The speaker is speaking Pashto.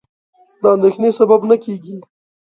د اندېښنې سبب نه کېږي.